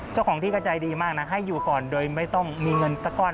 เจ้าของที่ก็ใจดีมากนะให้อยู่ก่อนโดยไม่ต้องมีเงินสักก้อน